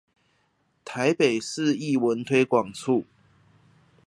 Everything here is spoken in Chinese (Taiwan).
臺北市藝文推廣處